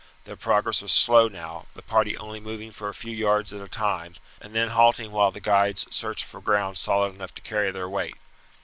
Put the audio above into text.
Their progress was slow now, the party only moving for a few yards at a time, and then halting while the guides searched for ground solid enough to carry their weight.